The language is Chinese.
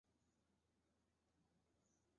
所以外要穿着曲裾深衣。